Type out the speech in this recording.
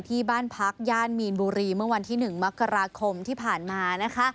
ที่บ้านพักย่านมีนบุรีเมื่อวันที่๑มกราคมที่ผ่านมานะคะ